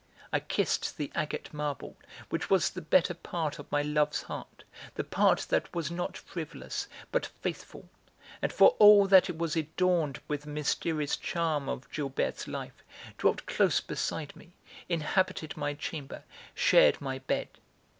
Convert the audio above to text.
I kissed the agate marble, which was the better part of my love's heart, the part that was not frivolous but faithful, and, for all that it was adorned with the mysterious charm of Gilberte's life, dwelt close beside me, inhabited my chamber, shared my bed.